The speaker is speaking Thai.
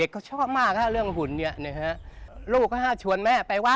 ก่อนจะขึ้นวิหารเนี่ย